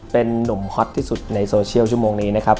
เป็นนุ่มฮอตที่สุดในโซเชียลชั่วโมงนี้นะครับ